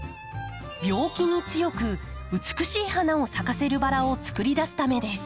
病気に強く美しい花を咲かせるバラをつくり出すためです。